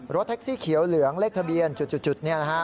รถแท็กซี่เขียวเหลืองเลขทะเบียนจุดนี่นะฮะ